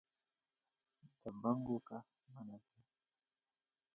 د بنګو کښت منع دی؟